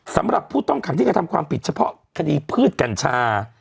สำหรับผู้ต้องขังที่กระทำความผิดเฉพาะคดีพืชกัญชา